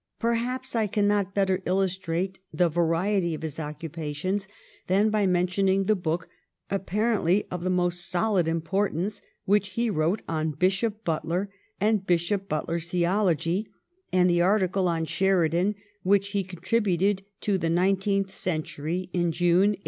Perhaps I cannot better illustrate the variety of his occupations than by mentioning the book, apparently of the most solid importance, which he wrote on Bishop Butler and Bishop Butler's the ology, and the article on Sheridan which he con tributed to "The Nineteenth Century" in June, 1896.